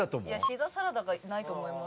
シーザーサラダがないと思います。